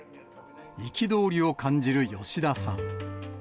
憤りを感じる吉田さん。